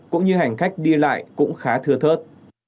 cũng như hành khách đi lại cũng khá thưa thớt